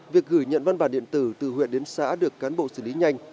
việc gửi nhận văn bản điện tử từ huyện đến xã được cán bộ xử lý nhanh